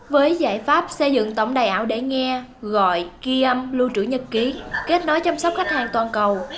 với giải pháp xây dựng tổng đài ảo để nghe gọi ghi âm lưu trữ nhật ký kết nối chăm sóc khách hàng toàn cầu